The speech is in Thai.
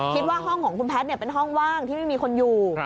คิดว่าห้องของคุณแพทย์เป็นห้องว่างที่ไม่มีคนอยู่